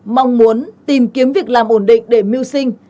mong muốn tìm kiếm việc làm ổn định để mưu sinh